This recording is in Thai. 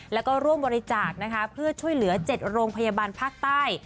แล้วก็ร่วมบริจาคนะคะเพื่อช่วยเหลือ๗โรงพยาบาลภาคใต้